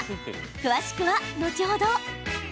詳しくは後ほど。